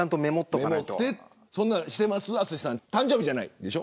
そういうのしてますか、淳さん誕生日じゃないでしょ。